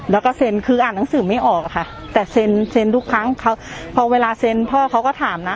แล้วก็เซ็นคืออ่านหนังสือไม่ออกอะค่ะแต่เซ็นเซ็นทุกครั้งเขาพอเวลาเซ็นพ่อเขาก็ถามนะ